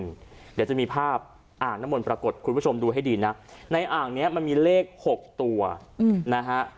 เดี๋ยวจะมีภาพอ่างน้ำมนต์ปรากฏคุณผู้ชมดูให้ดีนะในอ่างนี้มันมีเลข๖ตัวนะฮะ